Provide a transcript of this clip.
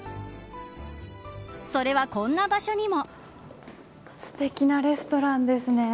それは、こんな場所にも。